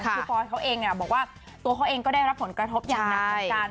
คือฟอยเขาเองบอกว่าตัวเขาเองก็ได้รับผลกระทบอย่างหนักเหมือนกัน